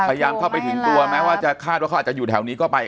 พยายามเข้าไปถึงตัวแม้ว่าจะคาดว่าเขาอาจจะอยู่แถวนี้ก็ไป